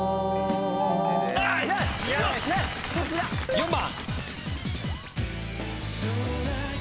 ４番。